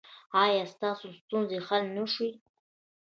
ایا ستاسو ستونزې حل نه شوې؟